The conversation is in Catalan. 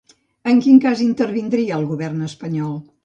En quin cas intervindria el govern espanyol?